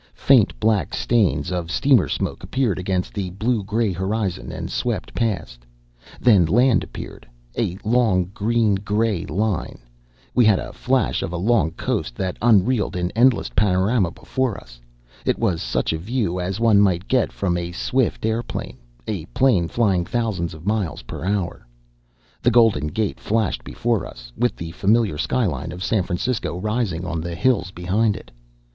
Faint black stains of steamer smoke appeared against the blue gray horizon and swept past. Then land appeared a long, green gray line. We had a flash of a long coast that unreeled in endless panorama before us. It was such a view as one might get from a swift airplane a plane flying thousands of miles per hour. The Golden Gate flashed before us, with the familiar skyline of San Francisco rising on the hills behind it.